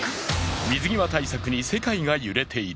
水際対策に世界が揺れている。